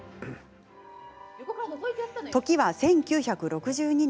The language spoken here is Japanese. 時は１９６２年。